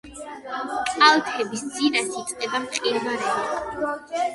კალთების ძირას იწყება მყინვარები.